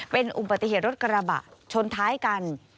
เป็นอุบัติเหตุรถกระบะชนท้ายกัน